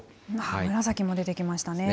紫も出てきましたね。